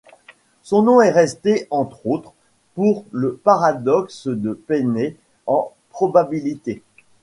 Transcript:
Son nom est resté, entre autres, pour le paradoxe de Penney en probabilités.